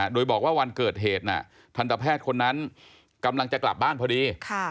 โดยบอกว่าวันเกิดเหตุทันตแพทย์คนนั้นกำลังจะกลับบ้านพอดี